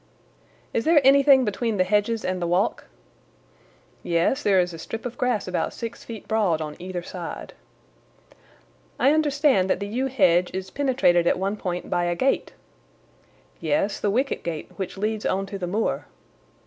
"Is there anything between the hedges and the walk?" "Yes, there is a strip of grass about six feet broad on either side." "I understand that the yew hedge is penetrated at one point by a gate?" "Yes, the wicket gate which leads on to the moor."